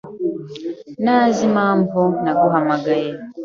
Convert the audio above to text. ntazi impamvu naguhamagaye.